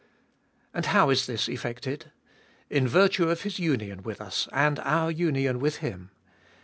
And how is this effected ?— In virtue of His union with us, and our union with Him.